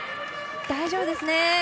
大丈夫ですね！